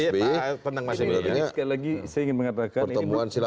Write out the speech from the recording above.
sebenarnya pertemuan silat terakhir biasa